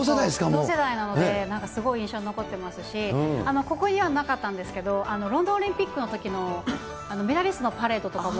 同世代なので、すごい印象に残ってますし、ここにはなかったんですけれども、ロンドンオリンピックのときのメダリストのパレードとかも、